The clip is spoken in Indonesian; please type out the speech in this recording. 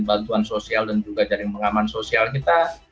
bantuan sosial dan juga jaring pengaman sosial kita